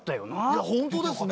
いや本当ですね。